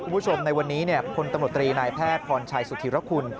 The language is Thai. คุณผู้ชมในวันนี้พลตำรวจตรีนายแพทย์พรชัยสุธิรคุณ